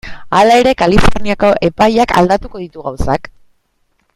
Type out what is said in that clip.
Hala ere, Kaliforniako epaiak aldatuko ditu gauzak?